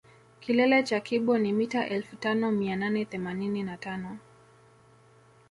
Kilele cha kibo ni mita elfu tano mia nane themanini na tano